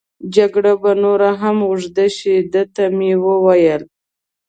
جګړه به نوره هم اوږد شي، ده ته مې وویل.